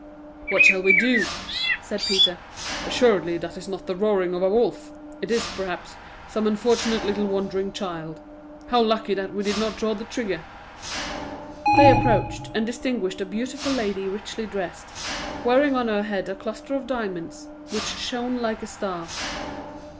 "What shall we do?" said Peter; "assuredly that is not the roaring of a wolf; it is, perhaps, some unfortunate little wandering child. How lucky that we did not draw the trigger!" They approached, and distinguished a beautiful lady richly dressed, wearing on her head a cluster of diamonds, which shone like a star.